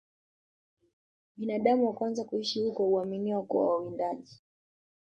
Binadamu wa kwanza kuishi huko huaminiwa kuwa wawindaji